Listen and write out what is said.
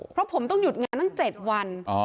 เพราะผมต้องหยุดงานตั้ง๗วัน